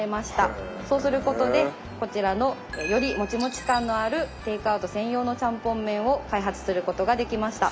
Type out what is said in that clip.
そうすることでこちらのよりモチモチ感のあるテイクアウト専用のちゃんぽん麺を開発することができました。